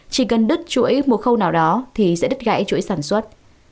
chỉ cần đứt chuỗi một khâu nào đó thì sẽ đứt gãy chuỗi sản xuất